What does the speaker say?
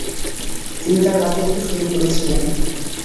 তিনি তাঁর রাজত্ব শুরু করেছিলেন।